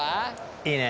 いいね。